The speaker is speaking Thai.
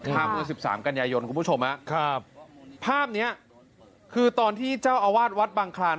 เมื่อ๑๓กันยายนคุณผู้ชมครับภาพเนี้ยคือตอนที่เจ้าอาวาสวัดบางคลาน